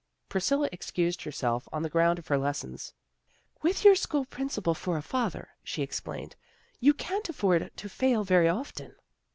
Priscilla excused herself on the ground of her lessons. " With your school principal for a father," she explained, " you can't afford to fail very often."